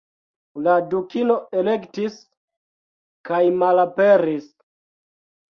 La Dukino elektis, kajmalaperis!